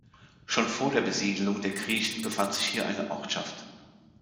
Schon vor der Besiedlung der Griechen befand sich hier eine Ortschaft.